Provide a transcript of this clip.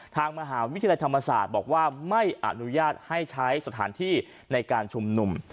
ทางมหาวิทยาลัยธรรมศาสตร์บอกว่าไม่อนุญาตให้ใช้สถานที่ในการชุมนุม